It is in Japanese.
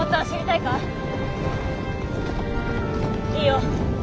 いいよ。